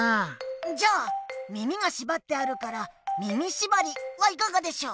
じゃあ耳がしばってあるから「耳しばり」はいかがでしょう。